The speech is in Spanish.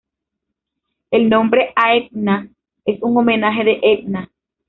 El nombre, Aetna, es un homenaje de Etna.